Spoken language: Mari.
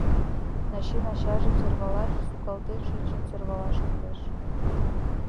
Начин ачажым сӧрвалаш, сукалтен шинчын сӧрвалаш кӱлеш.